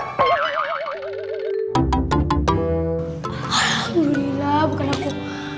alhamdulillah bukan aku